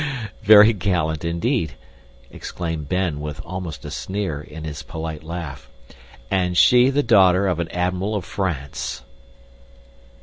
"Very gallant indeed!" exclaimed Ben, with almost a sneer in his polite laugh. "And she the daughter of an admiral of France."